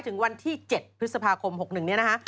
ถึงวันที่๗พฤษภาคม๖๑นี้นะคะ